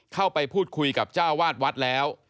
เข้าไปพูดคุยกับเจ้าวาดวัดแล้ว